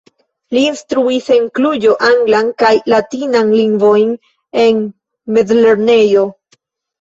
Li instruis en Kluĵo anglan kaj latinan lingvojn en mezlernejo.